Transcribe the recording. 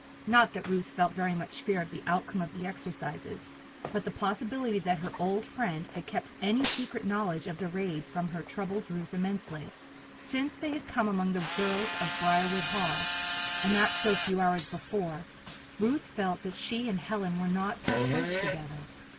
Not that Ruth felt very much fear of the outcome of the exercises; but the possibility that her old friend had kept any secret knowledge of the raid from her troubled Ruth immensely. Since they had come among the girls of Briarwood Hall and that so few hours before Ruth felt that she and Helen were not so close together.